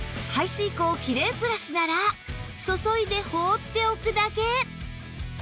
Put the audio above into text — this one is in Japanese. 排水口キレイプラスなら注いで放っておくだけ